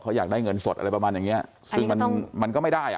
เขาอยากได้เงินสดอะไรประมาณอย่างเนี้ยซึ่งมันมันก็ไม่ได้อ่ะ